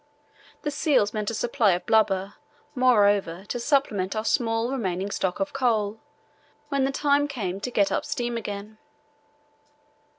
The seals meant a supply of blubber, moreover, to supplement our small remaining stock of coal when the time came to get up steam again.